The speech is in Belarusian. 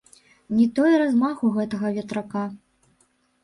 Не той размах у гэтага ветрака.